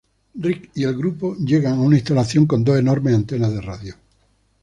Rick y el grupo llegan a una instalación con dos enormes antenas de radio.